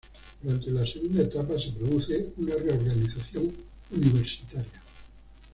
Durante la segunda etapa se produce una reorganización universitaria.